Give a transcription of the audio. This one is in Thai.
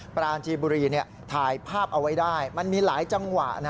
ปรานจีบุรีถ่ายภาพเอาไว้ได้มันมีหลายจังหวะ